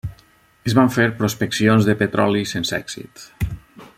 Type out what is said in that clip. Es van fer prospeccions de petroli sense èxit.